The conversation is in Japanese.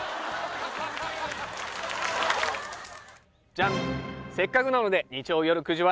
ジャン「せっかくなので日曜よる９時は」